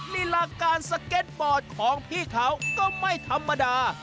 ลีลาการสเก็ตบอร์ดของพี่เขาก็ไม่ธรรมดา